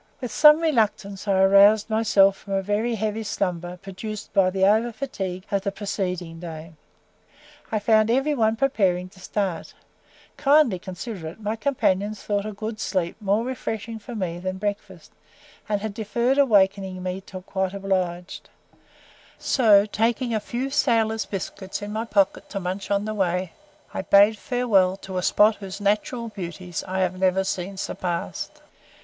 With some reluctance I aroused myself from a very heavy slumber produced by the over fatigue of the preceding day. I found every one preparing to start; kindly considerate, my companions thought a good sleep more refreshing for me than breakfast, and had deferred awakening me till quite obliged, so taking a few sailors' biscuits in my pocket to munch on the way, I bade farewell to a spot whose natural beauties I have never seen surpassed.